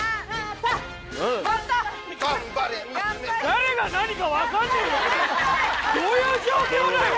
誰が何か分かんねえよ！どういう状況だよ